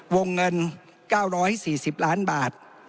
วงเงิน๙๔๐ล้านบาท